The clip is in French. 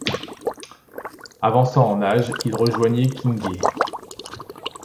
Avançant en age, il rejoignit Quingey.